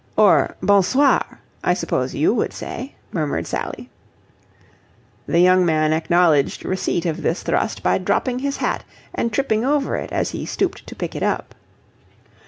"Or bon soir, I suppose you would say," murmured Sally. The young man acknowledged receipt of this thrust by dropping his hat and tripping over it as he stooped to pick it up.